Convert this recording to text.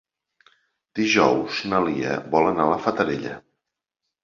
Dijous na Lia vol anar a la Fatarella.